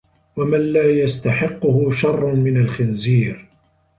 وَمَنْ لَا يَسْتَحِقُّهُ شَرٌّ مِنْ الْخِنْزِيرِ